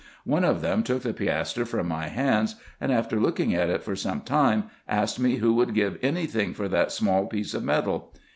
One of them took the piastre from my hands, and, after looking at it for some time, asked me who would give any thing for that small piece of metal.